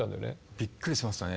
びっくりしましたね。